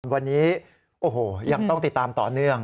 วันนี้โอ้โหยังต้องติดตามต่อเนื่อง